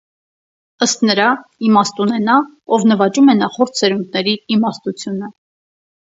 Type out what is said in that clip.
Ըստ նրա՝ իմաստուն է նա, ով նվաճում է նախորդ սերունդների իմաստությունը։